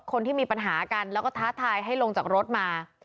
คนที่มีปัญหากันแล้วก็ท้าทายให้ลงจากรถมา